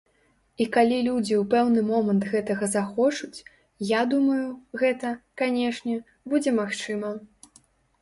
І калі людзі ў пэўны момант гэтага захочуць, я думаю, гэта, канечне, будзе магчыма.